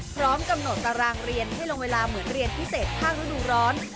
พร้อมกำหนดตารางเรียนให้ลงเวลาเหมือนเรียนพิเศษภาคฤดูร้อน